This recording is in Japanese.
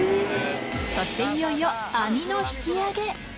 そしていよいよ網の引き揚げ。